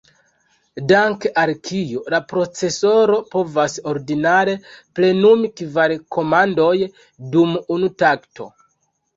Dank’ al kio, la procesoro povas ordinare plenumi kvar komandoj dum unu takto.